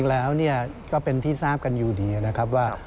แล้วก็เป็นที่ทราบกันอยู่ดีนะครับว่า